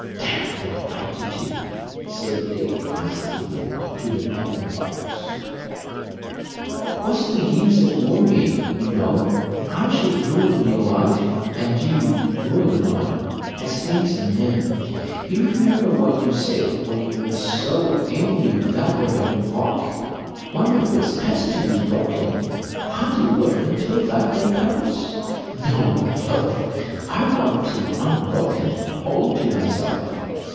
"Damn the gratitude!" said Dick, huskily, to the paddle box. "What's the use of worrying? You know I should ruin your life, and you'd ruin mine, as things are now. You remember what you said when you were so angry that day in the Park? One of us has to be broken. Can't you wait till that day comes?" "No, love. I want you unbroken—all to myself."